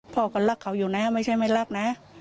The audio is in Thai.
พ่อก็รักเขาอยู่นะไม่ใช่ไม่รักนะ